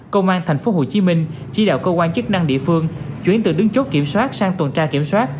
công an tp hcm chỉ đạo cơ quan chức năng địa phương chuyển từ đứng chốt kiểm soát sang tuần tra kiểm soát